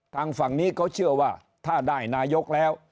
ทางฝั่งนี้เขาเชื่อว่าถ้าได้นายกแล้ว